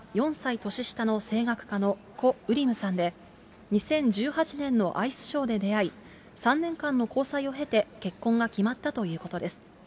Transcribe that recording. お相手は４歳年下の声楽家のコ・ウリムさんで、２０１８年のアイスショーで出会い、３年間の交際を経て結婚が決まったということです。